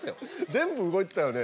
全部動いてたよね。